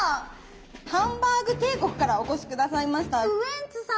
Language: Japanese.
ハンバーグ帝国からお越し下さいましたウエンツさん。